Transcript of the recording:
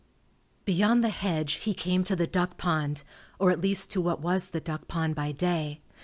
Beyond the hedge he came to the duck pond, or at least to what was the duck pond by day.